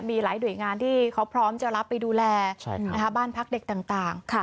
จะมีหลายหน่วยงานที่เขาพร้อมจะรับไปดูแลใช่ครับนะฮะบ้านพักเด็กต่างต่างค่ะ